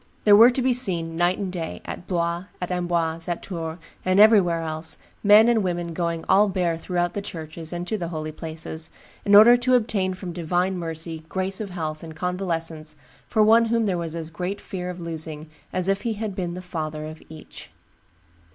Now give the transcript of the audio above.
There were to be seen night and day, at Blois, at Amboise, at Tours, and everywhere else, men and women going all bare throughout the churches and to the holy places, in order to obtain from divine mercy grace of health and convalescence for one whom there was as great fear of losing as if he had been the father of each."